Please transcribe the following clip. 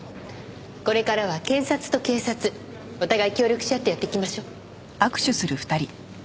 これからは検察と警察お互い協力し合ってやっていきましょう。